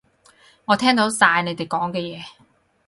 我聽到晒你哋講嘅嘢